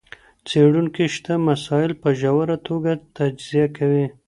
څېړونکي شته مسایل په ژوره توګه تجزیه کوي.